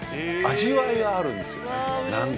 味わいがあるんですよね。